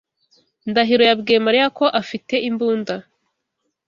Ndahiro yabwiye Mariya ko afite imbunda.